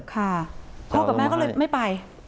ค่ะพ่อกับแม่ก็เลยไม่ไป